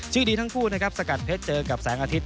ดีทั้งคู่นะครับสกัดเพชรเจอกับแสงอาทิตย